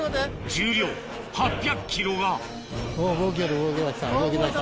重量８００ｋｇが動きよる動き出した。